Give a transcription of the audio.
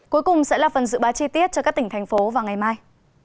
cuối cùng sẽ là phần dự báo chi tiết cho các tỉnh thành phố vào ngày mai